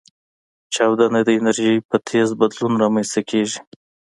چاودنه د انرژۍ په تیز بدلون رامنځته کېږي.